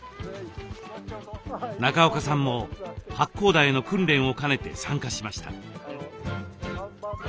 中岡さんも八甲田への訓練を兼ねて参加しました。